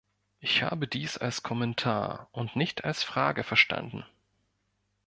Ich habe dies als Kommentar und nicht als Frage verstanden.